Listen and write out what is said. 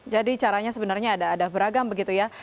jadi caranya sebenarnya ada beragam begitu ya